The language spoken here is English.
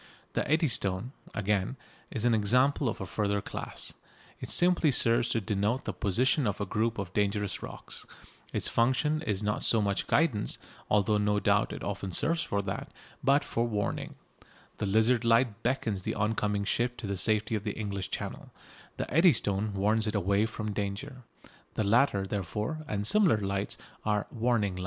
The Eddystone, again, is an example of a further class. It simply serves to denote the position of a group of dangerous rocks. Its function is not so much guidance, although no doubt it often serves for that, but for warning. The Lizard light beckons the on coming ship to the safety of the English Channel; the Eddystone warns it away from danger. The latter, therefore, and similar lights are "warning" lights. [Illustration: _By permission of Messrs.